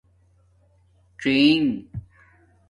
څَئݣ